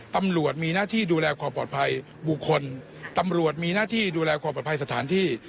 ตำรวจมีหน้าที่ดูแลความปลอดภัยบุคคลตำรวจมีหน้าที่ดูแลความปลอดภัยสถานที่